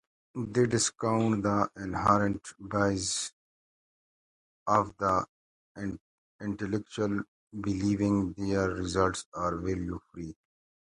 They discount the inherent bias of the intellectual, believing their results are value-free.